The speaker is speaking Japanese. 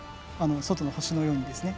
外の星のようにですね。